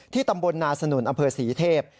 ที่ตำบลนาสนุนอศรีเทพฯ